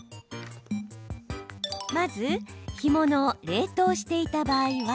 まず、干物を冷凍していた場合は